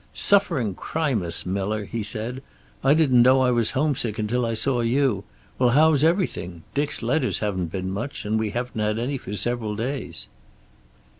"Suffering Crimus, Miller," he said. "I didn't know I was homesick until I saw you. Well, how's everything? Dick's letters haven't been much, and we haven't had any for several days."